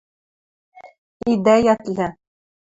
Идӓ йӓтлӹ.